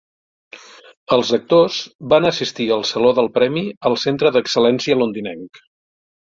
Els actors van assistir al saló del premi al Centre d'Excel·lència londinenc.